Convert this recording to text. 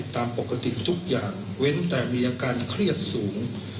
ตามปกติทุกอย่างเว้นแต่มีอาการเครียดสูง